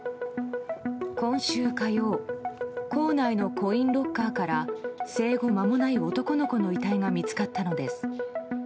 今週火曜構内のコインロッカーから生後まもない男の子の遺体が見つかったのです。